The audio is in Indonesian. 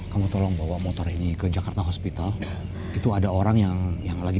kamu tolong bawa motor ini ke jakarta hospital itu ada orang yang yang lagi